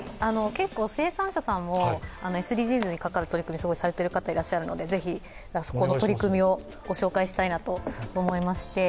生産者さんもＳＤＧｓにかかる取り組みをされてる方がいらっしゃるので、ぜひそこの取り組みをご紹介したいと思いまして。